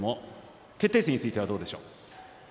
決定戦についてはどうでしょう。